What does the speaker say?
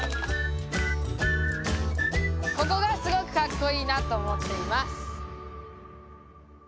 ここがすごくかっこいいなと思っています。